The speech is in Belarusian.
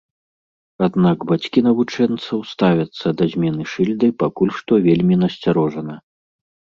Аднак бацькі навучэнцаў ставяцца да змены шыльды пакуль што вельмі насцярожана.